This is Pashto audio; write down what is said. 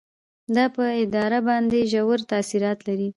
دا په اداره باندې ژور تاثیرات لري.